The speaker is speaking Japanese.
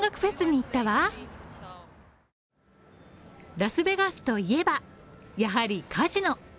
ラスベガスといえば、やはりカジノ。